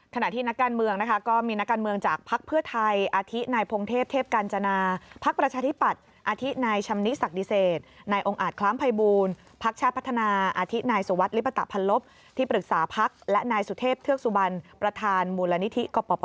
ขณะที่นักการเมืองค่ะก็มีนักการเมืองจาก